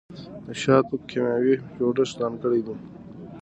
د شاتو کیمیاوي جوړښت ځانګړی دی.